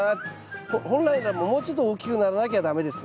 本来ならもうちょっと大きくならなきゃ駄目ですね。